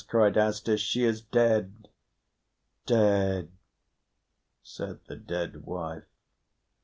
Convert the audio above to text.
cried Asdis, "she is dead." "Dead," said the dead wife.